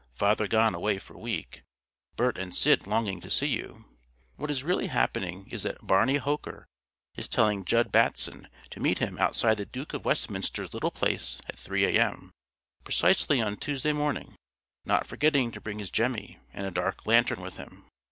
Father gone away for week. Bert and Sid longing to see you," what is really happening is that Barney Hoker is telling Jud Batson to meet him outside the Duke of Westminster's little place at 3 a.m. precisely on Tuesday morning, not forgetting to bring his jemmy and a dark lantern with him.